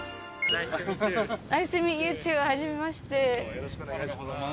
よろしくお願いします。